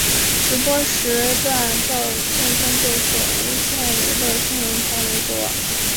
直播时段较竞争对手无线娱乐新闻台为多。